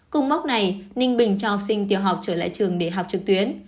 cùng mốc này ninh bình cho học sinh tiểu học trở lại trường để học trực tuyến